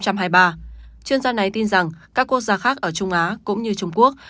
chuyên gia này tin rằng các quốc gia khác ở trung á cũng như trung quốc